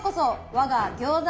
我が餃子